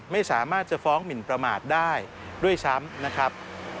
ไม่สามารถจะฟ้องหมินประมาทได้ด้วยซ้ำนะครับ